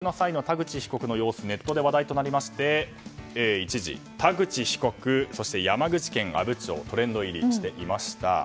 この保釈の際の田口被告の様子ネットで話題となりまして一時、田口被告そして、山口県阿武町がトレンド入りしていました。